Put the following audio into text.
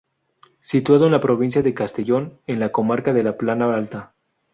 Situado en la provincia de Castellón, en la comarca de la Plana Alta.